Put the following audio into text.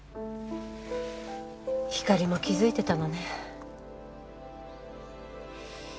ひかりも気付いてたのね。